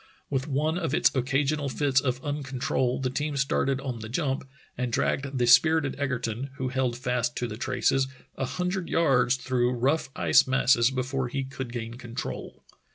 With one of its occasional fits of uncontrol, the team started on the jump, and dragged the spirited Egerton, who held fast to the traces, a hundred yards through rough ice masses before he could gain control.